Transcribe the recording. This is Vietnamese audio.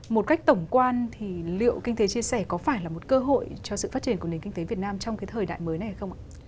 một cách tổng quan thì liệu kinh tế chia sẻ có phải là một cơ hội cho sự phát triển của nền kinh tế việt nam trong cái thời đại mới này không ạ